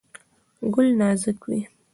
ګل نازک وي.